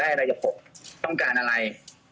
ได้อะไรต้องการอะไร